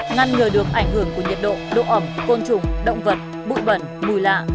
ngăn ngừa được ảnh hưởng của nhiệt độ độ ẩm côn trùng động vật bụi bẩn mùi lạ